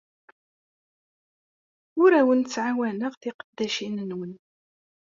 Ur awen-ttɛawaneɣ tiqeddacin-nwen.